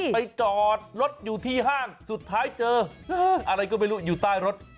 ไปจอดรถอยู่ที่ห้างสุดท้ายเจออะไรก็ไม่รู้อยู่ใต้รถ